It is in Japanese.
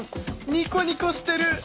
ニコニコしてる！